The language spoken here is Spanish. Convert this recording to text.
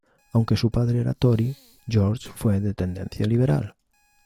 Aunque su padre era Tory, George fue de tendencia liberal.